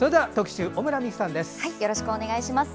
よろしくお願いします。